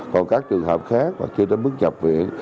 còn các trường hợp khác hoặc chưa đến mức nhập viện